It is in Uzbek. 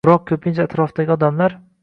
biroq ko‘pincha atrofdagi odamlar